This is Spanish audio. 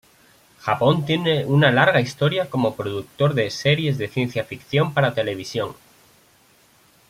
Japón tiene una larga historia como productor de series de ciencia ficción para televisión.